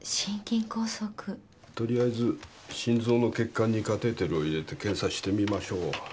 とりあえず心臓の血管にカテーテルを入れて検査してみましょう。